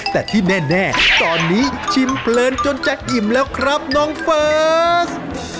แต่ที่แน่ตอนนี้ชิมเพลินจนจัดอิ่มแล้วครับน้องเฟิร์ส